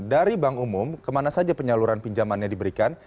dari bank umum kemana saja penyaluran pinjamannya diberikan